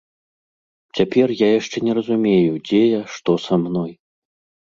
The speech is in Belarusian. Цяпер я яшчэ не разумею, дзе я, што са мной.